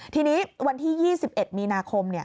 ทีนี้วันที่๒๑มีนาคม